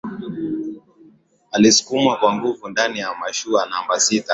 alisukumwa kwa nguvu ndani ya mashua namba sita